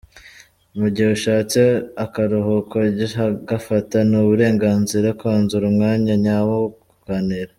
Mu gihe ushatse akaruhuko jya ugafata, ni uburenganzira kwanzura umwanya nyawo wo kuganira.